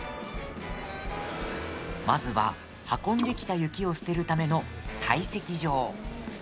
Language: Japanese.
まずは、運んできた雪を捨てるための堆積場。